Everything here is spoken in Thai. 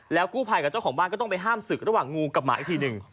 กู้ภัยกับเจ้าของบ้านก็ต้องไปห้ามศึกระหว่างงูกับหมาอีกทีหนึ่ง